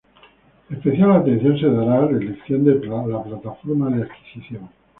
Especial atención se dará a la elección de la plataforma de adquisición.